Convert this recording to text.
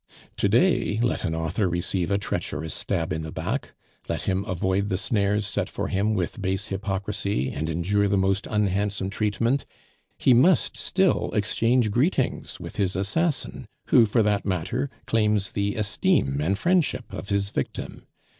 To day let an author receive a treacherous stab in the back, let him avoid the snares set for him with base hypocrisy, and endure the most unhandsome treatment, he must still exchange greetings with his assassin, who, for that matter, claims the esteem and friendship of his victim.